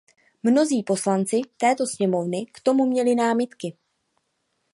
Mnozí poslanci této sněmovny k tomu měli námitky.